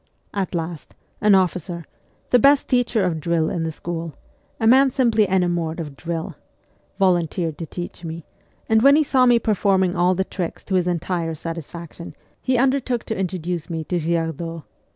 At last, an officer the best teacher of drill in the school, a man simply enamoured of drill volunteered to teach me ; and when he saw me performing all the tricks to his entire satisfaction, he undertook to introduce me to Girardot.